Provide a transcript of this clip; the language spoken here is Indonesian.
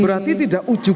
berarti tidak ujuk ujuk